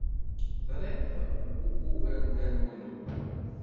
Triḍ Bob ugar n Dda Lmulud.